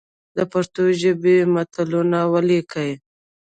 د پښتو ژبي متلونه ولیکئ!